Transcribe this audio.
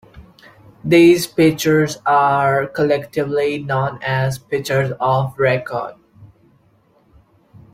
These pitchers are collectively known as the pitchers of record.